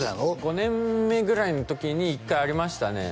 ５年目ぐらいの時に１回ありましたね